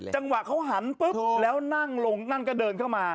จังหวะเขาหันปุ๊บแล้วนั่งลงนั่นก็เดินเข้ามา